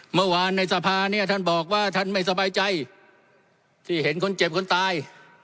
เมื่อวานในสภาเนี่ยท่านบอกว่าท่านไม่สบายใจที่เห็นคนเจ็บคนตาย